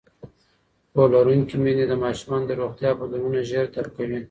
پوهه لرونکې میندې د ماشومانو د روغتیا بدلونونه ژر درک کوي.